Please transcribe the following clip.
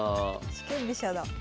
四間飛車だ。